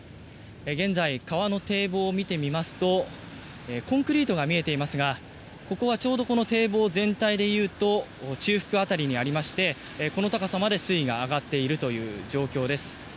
現在、川の堤防を見てみますとコンクリートが見えていますがここは、この堤防全体でいうと中腹辺りにありましてこの高さまで水位が上がっているという状況です。